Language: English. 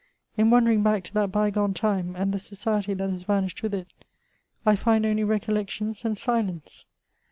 In wandering back to that by gone time, and the society that has vanished with it, I find only recollections and sUence.